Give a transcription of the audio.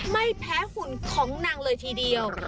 ไม่แพ้หุ่นของนางเลยทีเดียว